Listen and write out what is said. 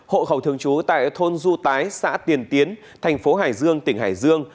hộ khẩu thường trú tại thôn du tái xã tiền tiến thành phố hải dương tỉnh hải dương